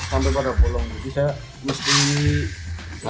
sampai pada bolong